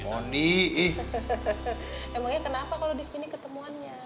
emangnya kenapa kalau disini ketemuannya